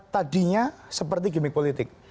tadinya seperti gimmick politik